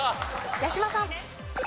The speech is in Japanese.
八嶋さん。